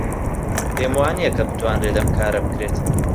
پێم وانییە کە بتوانرێت ئەم کارە بکرێت.